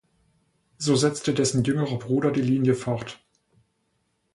So setzte dessen jüngerer Bruder die Linie fort.